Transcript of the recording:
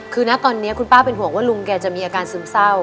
คือนะตอนนี้คุณป้าเป็นห่วงว่าลุงแกจะมีอาการซึมเศร้า